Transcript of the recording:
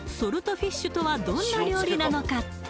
フィッシュとはどんな料理なのか？